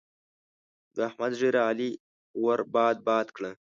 د احمد ږيره؛ علي ور باد باد کړه.